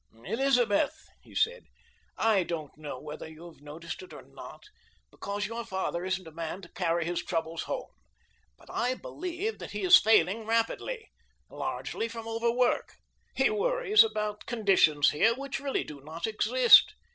"Elizabeth," he said, "I don't know whether you have noticed it or not, because your father isn't a man to carry his troubles home, but I believe that he is failing rapidly, largely from overwork. He worries about conditions here which really do not exist.